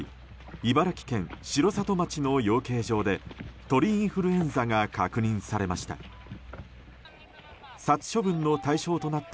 茨城県城里町の養鶏場で鳥インフルエンザが確認されました。